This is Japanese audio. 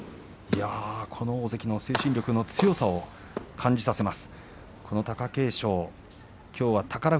この大関の精神力の強さそれを感じさせます。